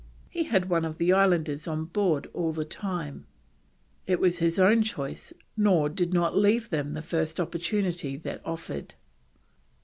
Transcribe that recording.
He had one of the islanders on board all the time; it was his own choice, nor did not leave them the first opportunity that offered."